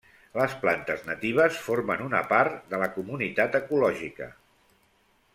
Les plantes natives formen una part de la comunitat ecològica.